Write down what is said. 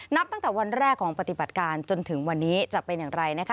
นับตั้งแต่วันแรกของปฏิบัติการจนถึงวันนี้จะเป็นอย่างไรนะคะ